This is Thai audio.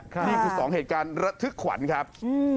นี่คือ๒เหตุการณ์ระทึกขวัญครับ